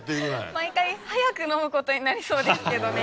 毎回早く飲むことになりそうですけどね。